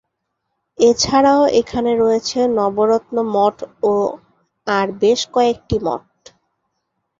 এছাড়াও এখানে রয়েছে নবরত্ন মঠ ও আর বেশ কয়েকটি মঠ।